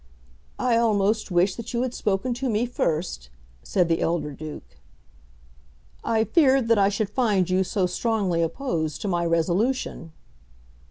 "I almost wish that you had spoken to me first," said the elder Duke. "I feared that I should find you so strongly opposed to my resolution."